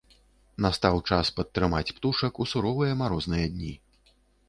Настаў час падтрымаць птушак у суровыя марозныя дні.